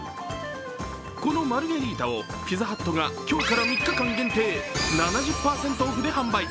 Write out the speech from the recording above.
このマルゲリータを、ピザハットが今日から３日間限定、７０％オフで販売。